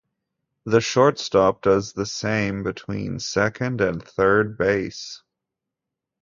The shortstop does the same between second and third base.